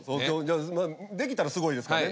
まあできたらすごいですからね。